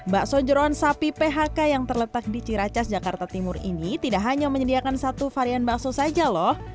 bakso jerawan sapi phk yang terletak di ciracas jakarta timur ini tidak hanya menyediakan satu varian bakso saja loh